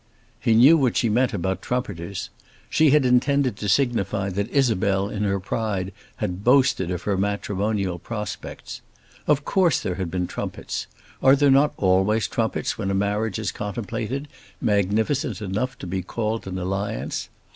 He knew what she meant about trumpeters. She had intended to signify that Isabel in her pride had boasted of her matrimonial prospects. Of course there had been trumpets. Are there not always trumpets when a marriage is contemplated, magnificent enough to be called an alliance?